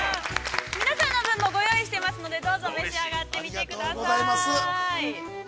◆皆さんの分も用意してますので、どうぞ召し上がってみてください。